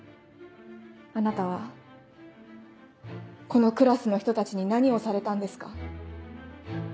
あなたはこのクラスの人たちに何をされたんですか？